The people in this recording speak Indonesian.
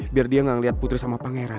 biar dia gak ngeliat putri sama pangeran